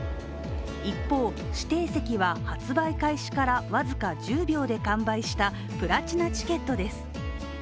一方、指定席は発売開始から僅か１０秒で完売したプラチナチケットです。